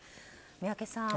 宮家さん